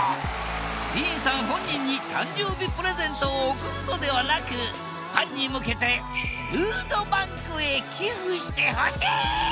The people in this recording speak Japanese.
ディーンさん本人に誕生日プレゼントを贈るのではなくファンに向けてフードバンクへ寄付してほしいと呼びかけたのだ。